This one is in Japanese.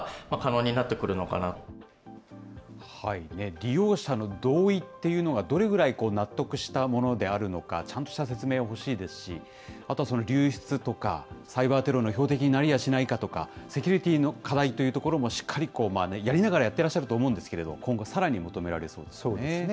利用者の同意っていうのがどれぐらい納得したものであるのか、ちゃんとした説明が欲しいですし、あとはその流出とか、サイバーテロの標的になりやしないかとか、セキュリティーの課題というところも、しっかりやりながらやってらっしゃると思うんですけれども、今後、さらに求められそうですね。